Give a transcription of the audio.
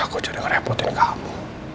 aku jadi ngerepotin kamu